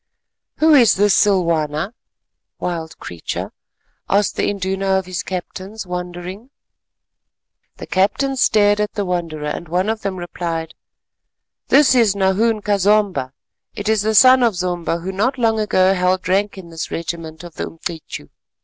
"Who is this Silwana (wild creature)?" asked the Induna of his captains wondering. The captains stared at the wanderer, and one of them replied, "This is Nahoon ka Zomba, it is the son of Zomba who not long ago held rank in this regiment of the Umcityu.